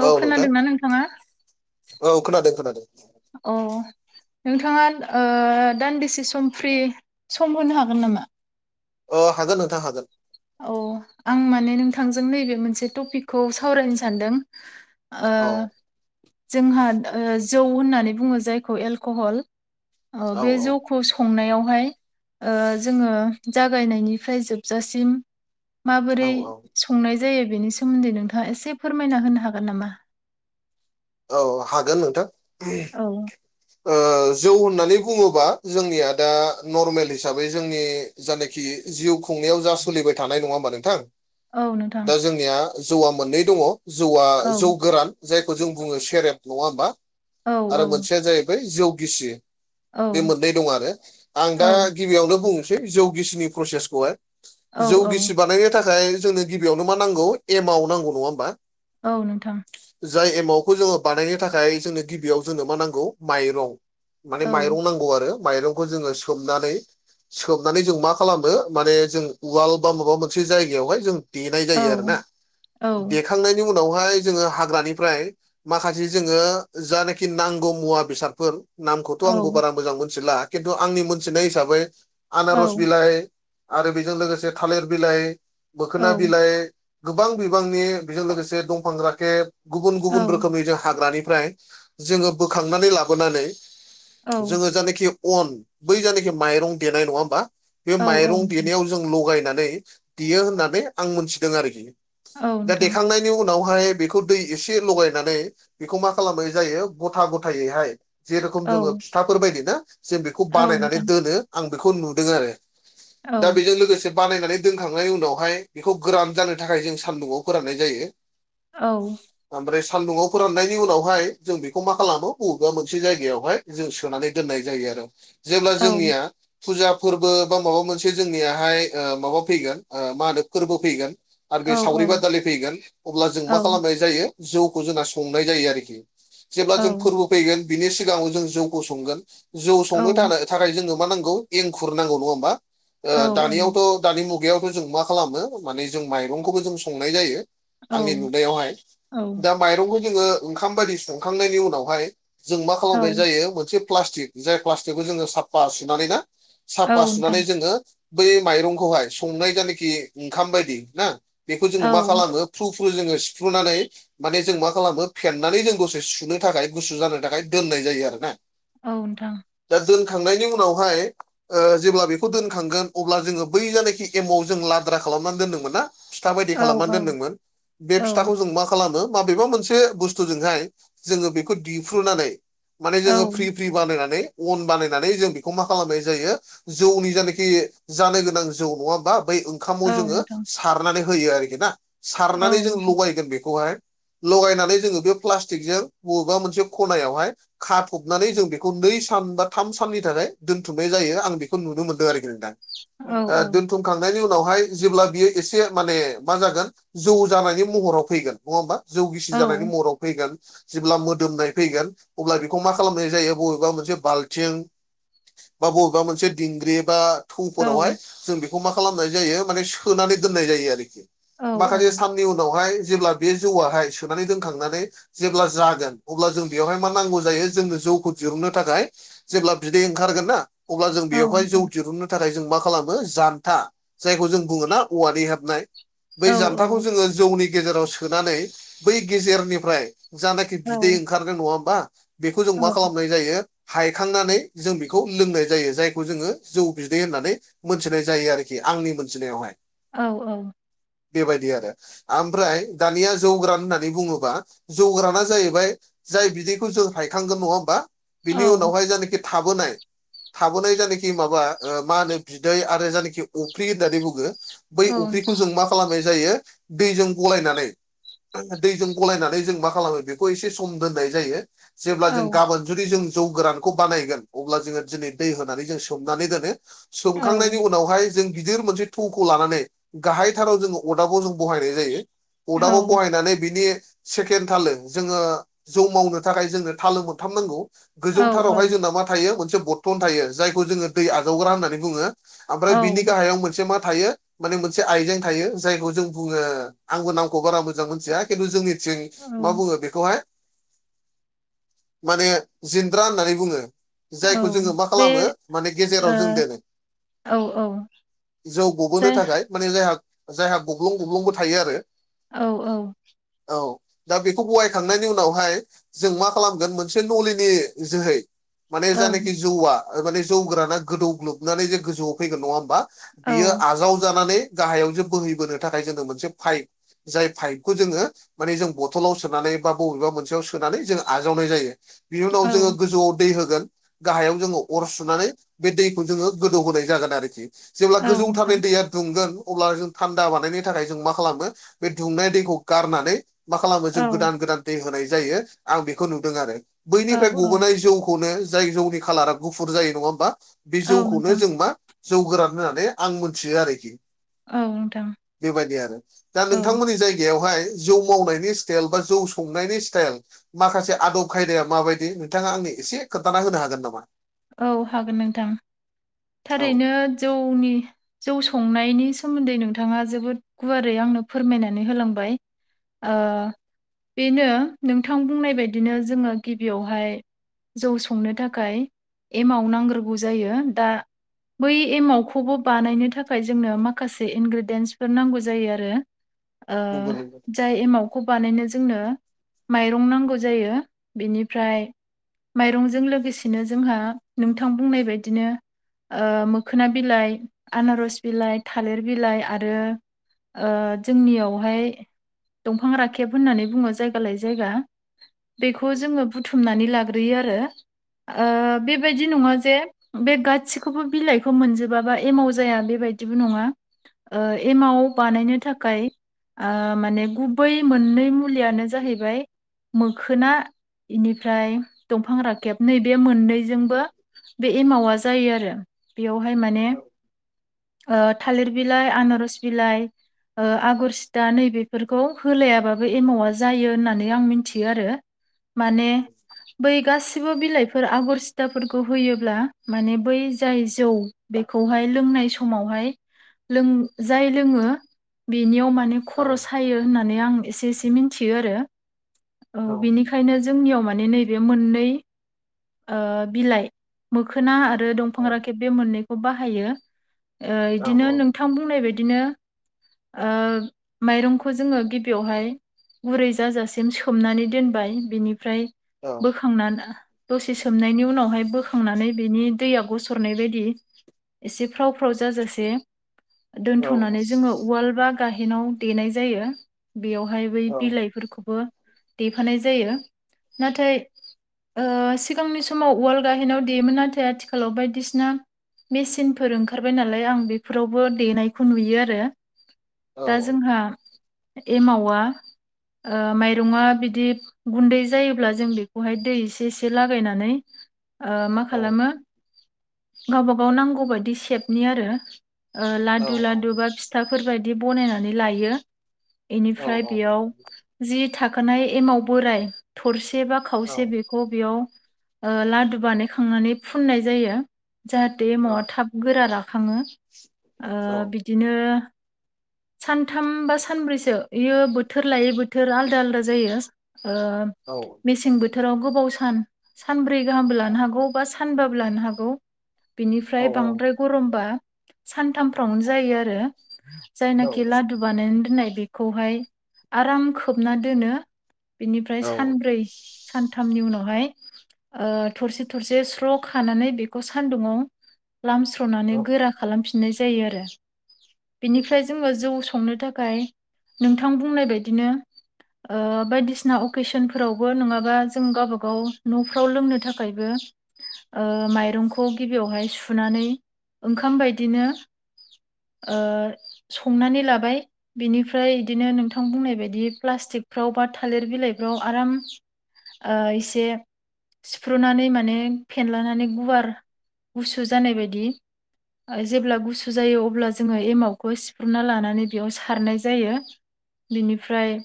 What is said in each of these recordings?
औ खोनादोंना नोंथाङा। औ खोनादों खोनादों। औ। नोंथाङा ओ दानदिसे सम फ्रि सम होनो हागोन नामा। औ हागोन नोंथां हागोन। औ आं माने नोंथांजों नैबे मोनसे टपिकखौ सावरायनो सानदों। ओ औ जोंहा ओ जौ होननानै बुङो जायखौ एलक'हल। ओ औ बे औ जौ संनायावहाय ओ जोङो जागायनायनिफ्राय जोबजासिम माबोरै औ औ संनाय जायो बेनि सोमोन्दै नोंथाङा एसे फोरमायना होनो हागोन नामा। औ हागोन नोंथां। औ। ओ जौ होननानै बुङोबा जोंनिया दा नर्मेल हिसाबै जोंनि जानाखि जिउ खुंनायाव जा सोलिबाय थानाय नङा होमबा नोंथां। औ नोंथां दा जोंनिया जौ आ मोननै दङ जौवआ औ जौ गोरान जायखौ जों बुङो सेरेब नङा होमबा औ आरो मोनसेया जाहैबाय जौ गिसि। औ बे मोननै दं आरो आं दा औ गिबियावनो बुंनोसै जौगिसिनि प्रसेसखौहाय। औ जौ औ गिसि बानायनो थाखाय जोंनो गिबियावनो मा नांगौ एमाव नांगौ नङा होमबा। औ नोंथां। जाय एमावखौ जोङो बानायनो थाखाय जोंनो गिबियाव जोंनो मा नांगौ माइरं। औ माने माइरं नांगौ आरो माइरंखौ जोङो सोमनानै। सोबनानै जों मा खालामो माने जों उवाल बा माबा मोनसे जायगायावहाय जों देनाय औ जायो आरोना औ देखांनायनि उनावहाय जोङो हाग्रानिफ्राय माखासे जोङो जानाखि नांगौ मुवा बेसादफोर नामखौथ' औ आंबो बारा मोजां मोनथिला। खिन्थु आंनि मोनथिनाय हिसाबै औ आनारस बिलाइ। आरो बेजों लोगोसे थालिर बिलाइ औ मोखोना बिलाइ गोबां बिबांनि बेजों लोगोसे दंफां राखेब गुबुन गुबुन रो हाग्रानिफ्राय जोङो बोखांनानै लाबोनानै औ जोङो जानाखि अन बै जानाखि माइरं देनाय नङा होमबा बे औ माइरं देनायाव जों लगायनानै देयो होननानै आं मोनथिदों आरोखि औ दा नोंथां देखांनाय बेनि उनावहाय बेखौ दै एसे लगायनानै बेखौ मा खालामनाय जायो गथा गथायैहाय जेरखम जोङो औ फिथाफोर बायदि ना जों बेखौ औ बानायनानै नोंथां दोनो आं बेखौ नुदों आरो। दा औ बिजों लोगोसे बानायनानै दोनखांनायनि उनावहाय बेखौ गोरान जानो थाखाय जों सान्दुंआव फोराननाय जायो। औ। [unintelligible] सान्दुङआव फोराननायनि उनावहाय जों बेखौ मा खालामो बबेबा मोनसे जायगायावहाय जों सोनानै दोननाय जायो आरो जेब्ला औ जोंनिया फुजा फोरबो बा माबा मोनसे जोंनियाहाय माबा फैगोन ओ मा होनो फोरबो फैगोन आरो औ बे सावरि बादालि फैगोन अब्ला जों औ मा नोंथां खालामनाय जायो जौखौ जोंङा संनाय जायो आरोखि जेब्ला औ जों फोरबो फैगोन बिनि सिगाङाव जों जौखौ संगोन जौ औ संनो थाखाय थाखाय जोंनो मा नांगौ एंखुर नांगौ नङा होमबा ओ दानियावथ' दानि मुगायावथ' जों मा खालामो माने जों माइरंखौबो जों संनाय जायो औ आंनि नुनायावहाय औ दा माइरंखौ जोङो ओंखाम बायदि संखांनायनि उनावहाय जों मा औ खालामनाय जायो मोनसे प्लास्टिक जाय प्लास्टिकखौ जोङो साफा सुनानै ना औ औ साफा नोंथां सुनानै जोङो बै माइरंखौहाय संनाय जानाखि ओंखाम बायदि ना बेखौ जोङो औ मा खालामो फ्रुफ्रु जोङो सिफ्रुनानै माने जों मा खालामो फेनानै जों दसे सुनो थाखाय गुसु जानो थाखाय दोननाय जायो आरो ना औ नोंथां दा दोनखांनायनि उनावहाय ओ जेब्ला बेखौ दोनखांगोन अब्ला जोङो बै जानोखि एमाव जों लाद्रा खालामनानै दोनदोंमोन ना फिथा बायदि खालामनानै दोनदोंमोन औ बे फिथाखौ औ जों मा खालामो माबेबा मोनसे बुस्थुजोंहाय जोङो बेखौ दिफ्रुनानै माने जो फ्रि औ फ्रि बानायनानै अन बानायनानै जों बेखौ मा खालामनाय जायो जौनि जानोखि जानो गोनां जौ नङा होमबा बै ओ ओंखामाव औ नोंथां औ जोङो नोंथां सारनानै होयो आरोखि ना औ सारनानै जों लगायगोन बेखौहाय लगायनानै जोङो बे प्लास्टिकजों बबेबा मोनसे खनायावहाय खाथबनानै जों बेखौ नै सान बा थाम साननि थाखाय दोनथुमनाय जायो आं बेखौ नुनो मोन्दों आरोखि नोंथां औ आ औ औ दोनथुमखांनायनि उनावहाय जेब्ला बियो एसे माने मा जागोन जौ जानायनि महराव फैगोन नङा होमबा जौ गिसि जानायनि महराव फैगोन जेब्ला मोदोमनाय फैगोन अब्ला बेखौ मा खालामनाय जायो बबेबा मोनसे बाल्थिं बा बबेबा मोनसे दिंग्रि बा थौफोरावहाय जों बेखौ मा खालामनाय जायो माने सोनानै दोननाय जायो आरोखि औ औ माखासे साननि उनावहाय जेब्ला बे जौवाहाय सोनानै दोनखांनानै जेब्ला जागोन अब्ला जों बेवहाय मा नांगौ जायो जोंनो जौखौ दिहुननो थाखाय जेब्ला बिदै ओंखारगोन ना अब्ला जों औ बेयावहाय जौ नोंथां दिरहुननो नि थाखाय जों मा खालामो जान्था जायखौ जों बुङोना औवानि हेबनाय औ बै जान्थाखौ जोङो जौनि गेजेराव सोनानै बै गेजेरनिफ्राय जानाखि बिदै औ ओंखा खारनो नङा होमबा बेखौ जों मा औ खालामनाय जायो हायखांनानै जों बेखौ लोंनाय जायो जायखौ जोङो जौ बिदै होननानै मोनथिनाय जायो आरोखि आंनि मोनथिनायावहाय औ औ बेबायदि आरो आमफ्राय दानिया जौग्रान होननानै बुङोबा जौग्राना जाहैबाय जाय बिदैखौ जों हायखांगोन नङा होमबा औ बिनि उनावहाय जायनाखि थाबोनाय थाबोनाय जानोखि माबा ओ मा होनो बिदै आरो जानोखि अफ्रि होननानै बुङो औ बै नोंथां अफ्रिखौ जों मा खालामनाय जायो दैजों गलायनानै दैजों गलायनानै जों मा खालामो बेखौ एसे सम दोननाय जायो जेब्ला औ जों गाबोन जुदि जों जौ गोरान खौ बानायोन अब्ला जोङो दिनै दै होनानै जों सोमनानै दोनो औ सोमखांनायनि उनावहाय जों गिदिर मोनसे थौखौ लानानै गाहायथाराव जोङो अदाबाव जों बहायनाय जायो औ अदाबाव बहायनानै बिनि सेकेणड थालो जोङो जौ मावनो थाखाय जोंनो थालो मोनथाम नांगौ औ गोजौथारावहाय जोंना मा थायो मोनसे बर्थन थायो जायखौ जोङो दै आजावग्रा होननानै बुङो। ओमफ्राय बिनि औ गाहायाव मोनसे मा थायो मोनसे आइजें थायो जायखौ जों बुङो आंबो नामखौ बारा मोजां मोनथिया खिनथु जोंनि थिं मा औ बुङो बेखौहाय माने जिन्द्रा होननानै बुङो। औ जायखौ जोङो मा बे खालामो माने गेजेराव जों दोनदेरो। ओ औ औ जौ गबोनो जाय थाखाय माने जायहा जायहा गब्लं गब्लंबो थायो आरो। औ औ औ दा बेखौ बहायखांनायनि उनावहाय जों मा खालामगोन मोनसे नलिनि जोहै माने औ जानोखि जौवआ माने जौ गोराना गोदौग्लोबनानै जे गोजौआव फैगोन नङा होमबा? औ बियो आजावजानानै गाहायाव जे बोहैबोनो थाखाय जोङो मोनसे पाइप जाय फाइपखौ जोङो माने जों बथलाव सोनानै बा बबेबा मोनसेयाव सोनानै जों आजावनाय जायो। बिनि उनाव औ जोङो गोजौआव दै होगोन। गाहायाव जोङो अर सुनानै बे दैखौ जोङो गोदौ होनोनाय जागोन आरोखि। जेब्ला औ नोंथां गोजौथारनि दैया दुंगोन अब्ला जों थान्दा बानायनायनि थाखाय जों मा खालामनो बे दुंनाय दैखौ गारनानै मा खालामो औ जों गोदान गोदान दै होनाय जायो आं बेखौ नुदों आरो औ बैनिफ्राय औ गबोनाय जौखौनो जाय जौनि खालारा गुफुर जायो नङा होमबा बे औ जौखौनो नोंथां जों मा जौ गोरान होननानै आं मोनथियो आरोखि औ नोंथां बेबायदि आरो दा औ नोंथांमोन नि जायगायावहाय जौ मावनायनि स्टाइल बा जौ संनायनि स्टाइल माखासे आदब खायदाया माबायदि नोंथाङा आंनो एसे खोन्थाना होनो हागोन नामा? औ हागोन नोंथां औ थारैनो जौनि जौ संनायनि सोमोन्दै नोंथाङा जोबोद गुवारै आंनो फोरमायनानै होलांबाय। ओ बिनो नोंथां बुंनाय बादिनो जोङो गिबियावहाय जौ संनो थाखाय एमाव नांग्रोगौ जायो दा बै एमावखौबो बानायनो थाखाय जोंनो माखासे इनग्रेडियेन्सफोर नांगौ जायो आरो। ओ नंगौ नंगौ जाय एमावखौ बानायनो जोंनो माइरं नांगौ जायो बेनिफ्राय माइरंजों लोगोसेनो जोंहा नोंथां बुंनाय बायदिनो ओ मोखोना बिलाइ आनारस बिलाइ थालिर बिलाइ आरो ओ जोंनियावहाय दंफां राखेब होननानै बुङो जायगा लायै जायगा। बेखौ जोङो बुथुमनानै लाग्रोयो आरो ओ बेबायदि नङा जे बे गासिखौबो बिलाइखौ मोनजोबाबा एमाव जाया बेबायदिबो नङा। ओ एमाव बानायनो थाखाय ओ माने गुबै मोननै मुलियानो जाहैबाय मोखोना इनिफ्राय दंफां राखेब नैबे मोननैजों औ बो बे एमावा जायो आरो बेयावहाय माने ओ थालिर बिलाइ आनारस बिलाइ ओ आगर सिदा नैबेफोरखौ होलायाबाबो एमावा जायो होननानै आं मिनथियो आरो। माने बै गासिबो बिलाइफोर आगरसि दाफोरखौ होयोब्ला माने बै जाय जौ बेखौहाय लोंनाय समावहाय लों जाय लोङो बेनियाव मा नानै औ खर' सायो होननानै आं एसे एसे मिनथियो आरो औ बेनिखायनो जोंनियाव माने नैबे मोननै ओ बिलाइ मोखोना आरो औ दंफां राखेब बे मोननैखौ बाहायो ओ इदिनो नों थांं बुंनाय बायदिनो ओ माइरंखौ जोङो गिबियावहाय गुरै जाजासिम सोमनानै दोनबाय बिनिफ्राय औ। खांनानै दसे सोमनायनि उनावहाय बोखांनानै बेनि दैया गसरनाय बायदि एसे फ्राव फ्राव जाजासे दोनथ'नानै जोङो उवाल बा गाहेनाव देनाय जायो बेयावहाय बै औ बिलाइफोरखौबो देफानाय जायो नाथाय ओ सिगांनि समाव उवाल गाहेेनाव देयोमोन नाथाय आथिखालाव बायदिसिना मेचिनफोर ओंखारबाय नालाय आं बेफोरावबो देनायखौ नुयो आरो दा जोंहा एमावा ओ माइरङा बिदि गुन्दै जायोब्ला जों बेखौहाय दै एसे एसे लागायनानै ओ मा खालामो गावबागाव नांगौबायदि सेपनि आरो ओ औ औ लादु लादु बा फिथाफोरबायदि बनायनानै लायो एनिफ्राय औ बेयाव औ जि थाखानाय एमाव बोराय थरसे बा खावसे औ बे खौ बेयाव ओ लादु बानायखांनानै फुननाय जायो जाहाथे एमावा औ थाब गोरा राखाङो ओ औ बिदिनो सानथाम बा सानब्रैसो इयो बोथोर लायै बोथोर आलदा आलदा जायो ओ औ। मेसें बोथोराव गोबाव सान सानब्रै गाहामबो लानो हागौ बा सानबाबो लानो हागौ औ औ बिनिफ्राय बांद्राय गरमबा सानथामफ्रावनो जायो आरो औ जायनाखि लादु बानायनानै दोननाय बेखौहाय आराम खोबना दोनो बिनिफ्राय औ सानब्रै सानथामनि उनावहाय ओ थरसे थरसे स्र' खानानै बेखौ सानदुंआव औ लामस्र'नानै गोरा खालामफिननाय जायो आरो। बिनिफ्राय जोङो जौ संनो थाखाय नोंथां बुंनाय बायदिनो ओ बायदिसिना अकेशन फोरावबो नङाबा जों गावबागाव न'फ्राव लोंनो था खायबो ओ माइरंखौ गिबियावहाय सुनानै ओंखाम बायदिनो ओ संनानै लाबाय बिनिफ्राय बिदिनो नोंथां बुंनाय बायदि प्लास्टिकफ्राव बा थालिर बिलाइफ्राव आराम एसे सुफ्रुनानै माने फेनलानानै गुवार गुसु जानाय बायदि जेब्ला गुसु जायो अब्ला जोङो एमावखौ सिफ्रुना लानानै बेयाव सारनाय जायो। बिनिफ्राय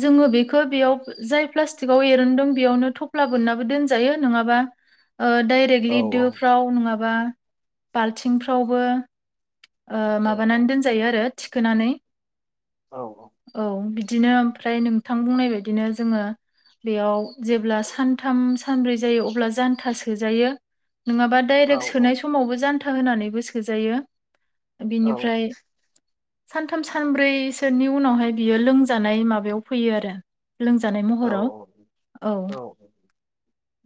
जोङो बेखौ बेयाव जाय प्लास्टिकाव एरनदों बेयावनो थ' खफ्ला बोननाबो दोनजायो नङाबा ओ औ औ दडायरेक्टलि दोफ्राव नङाबा बाल्थिंफ्रावबो ओ माबानानै दोनजायो आरो थिखोनानै औ बिदिनो ओमफ्राय नोंथां बुंनाय बायदिनो जोङो बेयाव जेब्ला सानथाम सानब्रै जायो अब्ला जानथा सोजायो नङाबा डायरेक्ट सोनाय समावबो जानथा होनानैबो सोजायो बिनिफ्राय सानथाम सानब्रैसोनि उनावहाय बियो लोंजानाय माबायाव फैयो आरो लोंजानाय महराव औ औ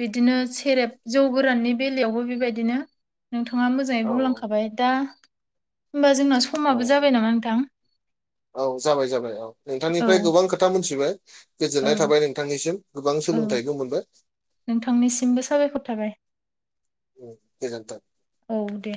बिदिनो सेरेब जौ गोराननि बेलायावबो बेबायदिनो नोंथाङा मोजाङै औ औ बुंलांखाबाय दा होमबा जोंना स औ औ औ जाबाय जाबाय औ औ नोंथांनिफ्राय गोबां खोथा मोनथिबाय औ गोजोननाय थाबाय नोंथांनिसिम गोबां औ सोलोंथाइबो मोनबाय नोंथांनिसिमबो साबायखर थाबाय उम गोजोनथों। औ दे